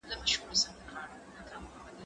زه به سبا سبزېجات وچوم!